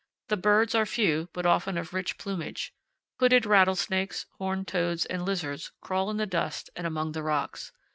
The birds are few, but often of rich plumage. Hooded rattlesnakes, horned toads, and lizards crawl in the dust and among the rocks.